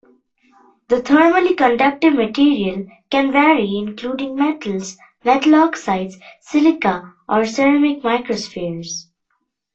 The thermally conductive material can vary including metals, metal oxides, silica or ceramic microspheres.